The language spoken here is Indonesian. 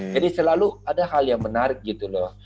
jadi selalu ada hal yang menarik gitu loh